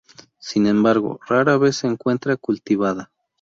Sin embargo, rara vez se encuentra cultivada.